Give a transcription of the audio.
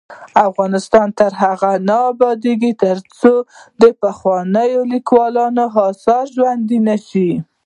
افغانستان تر هغو نه ابادیږي، ترڅو د پخوانیو لیکوالانو اثار ژوندي نشي.